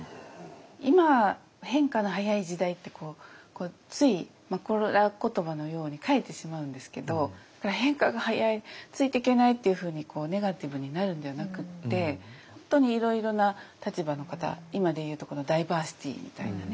今変化の早い時代ってついコロナ言葉のように書いてしまうんですけど変化が早いついていけないっていうふうにネガティブになるんではなくって本当にいろいろな立場の方今で言うところのダイバーシティーみたいなね